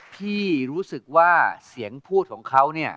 พี่รู้สึกว่าเสียงพูดของเขาเนี่ย